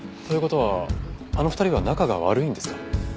という事はあの２人は仲が悪いんですか？